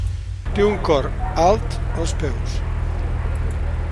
Té un cor alt als peus.